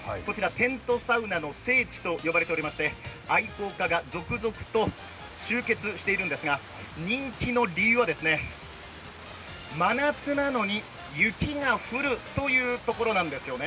テントサウナの聖地と呼ばれておりまして愛好家が続々と集結しているんですが、人気の理由は、真夏なのに雪が降るというところなんです。